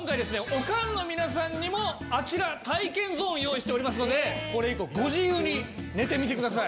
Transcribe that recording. おかんの皆さんにもあちら体験ゾーン用意しておりますのでご自由に寝てみてください。